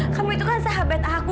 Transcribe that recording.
kamu itu kan sahabat aku